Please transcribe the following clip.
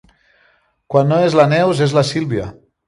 Quan no és la Neus és la Sílvia.